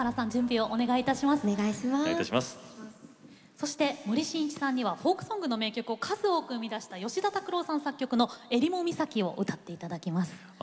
そして、森進一さんにはフォークソングの名曲を数多く生み出した吉田拓郎さん作曲「襟裳岬」を歌っていただきます。